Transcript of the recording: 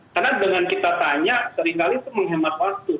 karena dengan kita tanya seringkali itu menghemat waktu